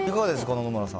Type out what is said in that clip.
野々村さん。